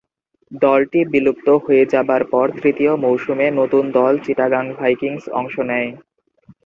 দলটি বিলুপ্ত হয়ে যাবার পর তৃতীয় মৌসুমে নতুন দল চিটাগাং ভাইকিংস অংশ নেয়।